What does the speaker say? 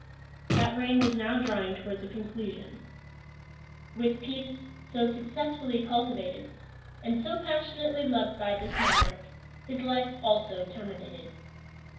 That reign was now drawing towards a conclusion. With peace, so successfully cultivated, and so passionately loved by this monarch, his life also terminated.